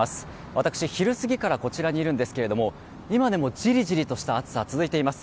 私、昼過ぎからこちらにいるんですけども今でもじりじりとした暑さが続いています。